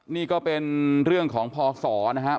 นี่ก็เป็นเรื่องของพศนะครับ